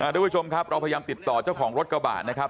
ทุกผู้ชมครับเราพยายามติดต่อเจ้าของรถกระบะนะครับ